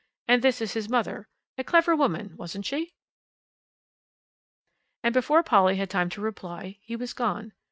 And this is his mother a clever woman, wasn't she?" And before Polly had time to reply he was gone.